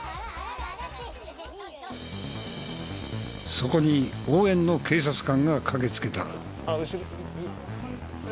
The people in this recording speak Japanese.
そこに応援の警察官が駆けつけた。